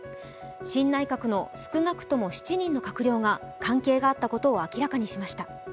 新内閣の少なくとも７人の閣僚が関係があったことを明らかにしました。